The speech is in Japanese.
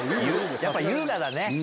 やっぱ優雅だね。